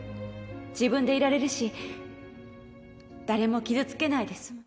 「自分でいられるし誰も傷つけないで済む」